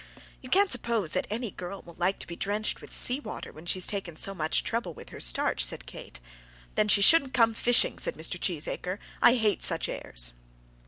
"You can't suppose that any girl will like to be drenched with sea water when she has taken so much trouble with her starch," said Kate. "Then she shouldn't come fishing," said Mr. Cheesacre. "I hate such airs."